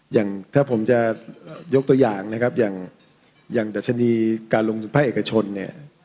อย่างถ้าผมจะยกตัวอย่างนะครับอย่างดัชนีการลงทุนภาคเอกชนเนี่ย